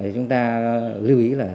chúng ta lưu ý là